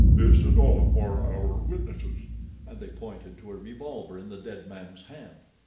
This, and Allah, are our witnesses," and they pointed to a revolver in the dead man's hand.